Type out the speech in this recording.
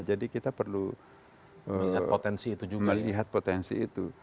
jadi kita perlu melihat potensi itu